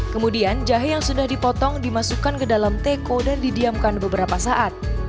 kemudian jahe yang sudah dipotong dimasukkan ke dalam teko dan didiamkan beberapa saat